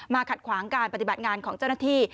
ขัดขวางการปฏิบัติงานของเจ้าหน้าที่